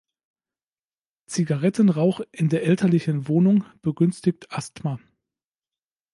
Zigarettenrauch in der elterlichen Wohnung begünstigt Asthma.